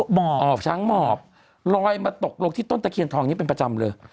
หมอบอ๋อช้างหมอบลอยมาตกลงที่ต้นตะเคียนทองนี้เป็นประจำเลย